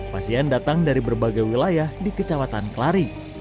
pasien datang dari berbagai wilayah di kecamatan kelari